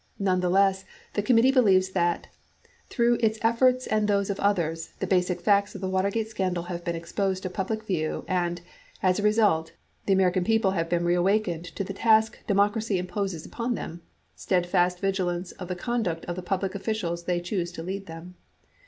Nonetheless, the committee believes that, through its efforts and those of others, the basic facts of the Watergate scandal have been exposed to public view and, as a result, the American people have been re awakened to the task democracy imposes upon them — steadfast vig ilance of the conduct of the public officials they choose to lead them.